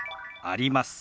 「あります」。